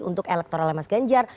untuk elektoral mas ganjar